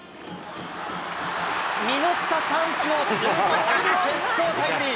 実ったチャンスを収穫する決勝タイムリー。